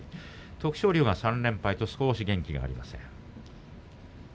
徳勝龍は３敗と元気がありません。